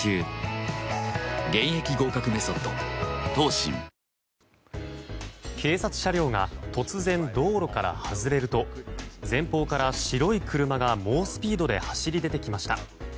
私とママはスゴく似てたり全然違ったり警察車両が突然道路から外れると前方から白い車が猛スピードで走り出てきました。